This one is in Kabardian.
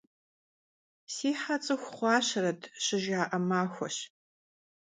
«Si he ts'ıxu xhuaşeret!» — şıjja'e maxueş.